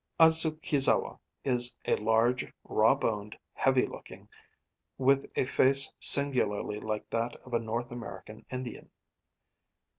Adzukizawa is large, raw boned, heavy looking, with a face singularly like that of a North American Indian.